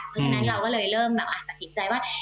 เพราะฉะนั้นเราก็เลยเริ่มแบบตัดสินใจว่า